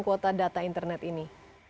kuota data internet ini